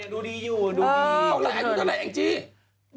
ดูดีอยู่เดี๋ยวดูดี